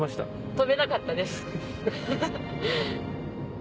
飛べなかったです。